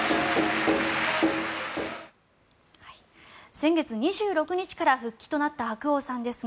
先月２６日から復帰となった白鸚さんですが